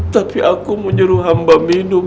tapi aku menyuruh hamba minum